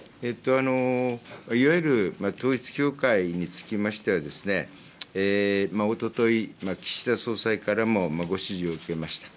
いわゆる統一教会につきましては、おととい、岸田総裁からもご指示を受けました。